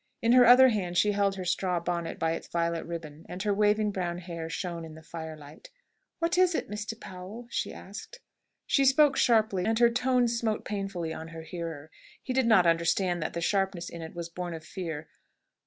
In her other hand she held her straw bonnet by its violet ribbon, and her waving brown hair shone in the firelight. "What is it, Mr. Powell?" she asked. She spoke sharply, and her tones smote painfully on her hearer. He did not understand that the sharpness in it was born of fear.